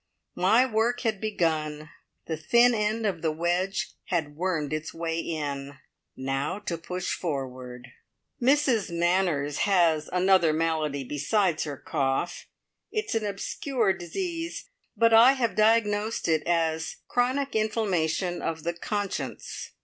My work had begun. The thin end of the wedge had wormed its way in. Now to push forward. Mrs Manners has another malady besides her cough. It's an obscure disease, but I have diagnosed it as "chronic inflammation of the conscience".